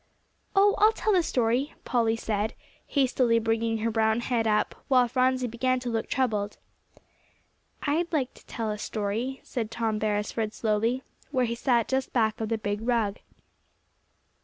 "Oh, I'll tell the story," Polly said, hastily bringing her brown head up, while Phronsie began to look troubled. "I'd like to tell a story," said Tom Beresford slowly, where he sat just back of the big rug.